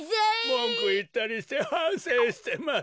もんくをいったりしてはんせいしてます。